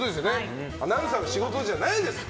アナウンサーの仕事じゃないですよ。